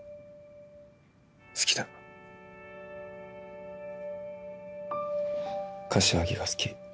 好きだ柏木が好き